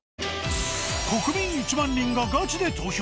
国民１万人がガチで投票！